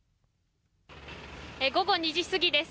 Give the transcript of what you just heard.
午後２時過ぎです。